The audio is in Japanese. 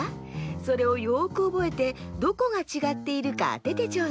それをよくおぼえてどこがちがっているかあててちょうだい。